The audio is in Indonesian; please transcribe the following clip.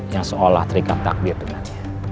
yang seolah terikat takdir dengannya